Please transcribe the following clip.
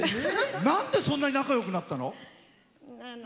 なんでそんなに仲よくなったの？